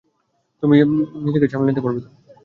তুমি নিজেকে সামলে নিতে পারবে তো?